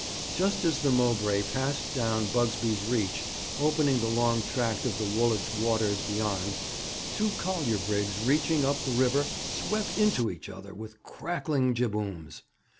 Just as the Mowbray passed down Bugsby's Reach, opening the long tract of the Woolwich waters beyond, two collier brigs reaching up the river swept into each other with crackling jibbooms.